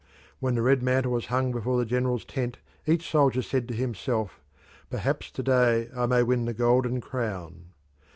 When the red mantle was hung before the general's tent each soldier said to himself, "Perhaps to day I may win the golden crown."